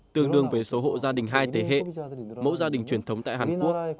tương đương với số hộ gia đình hai thế hệ mẫu gia đình truyền thống tại hàn quốc